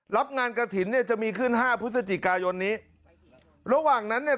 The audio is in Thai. รับงานกระถิ่นเนี่ยจะมีขึ้นห้าพฤศจิกายนนี้ระหว่างนั้นเนี่ย